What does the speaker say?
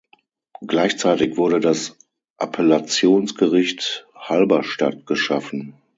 Gleichzeitig wurde das Appellationsgericht Halberstadt geschaffen.